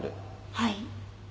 はい。